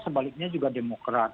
sebaliknya juga demokrat